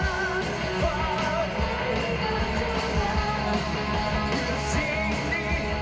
เป็นจริงก็เป็นจริงฝากสะใจใจโดยทุกตัวมี